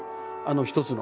一つの。